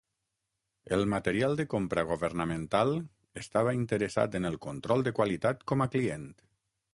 El material de compra governamental estava interessat en el control de qualitat com a client.